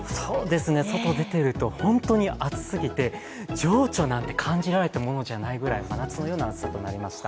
外出てると本当に暑すぎて情緒なんて感じられないくらい真夏のような暑さとなりました。